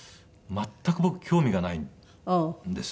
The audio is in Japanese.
全く僕興味がないんです。